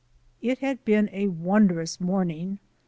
It had been a wondrous morning.